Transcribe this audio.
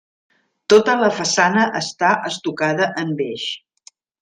Tota la façana està estucada en beix.